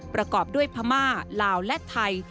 ประกอบด้วยพม่าลาวและไทย